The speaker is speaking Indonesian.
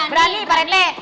berani berani pak rt